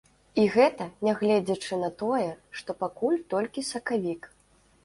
І гэта нягледзячы на тое, што пакуль толькі сакавік.